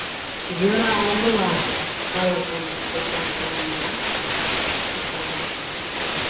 — Йӧра огыла... — калыкым лыпландарымыла каласыш кусарыше.